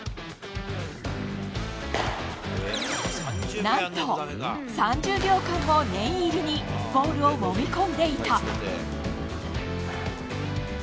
なんと３０秒間も念入りに、ボールをもみ込んでいた。